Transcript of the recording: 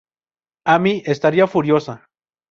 Amy estaría furiosa.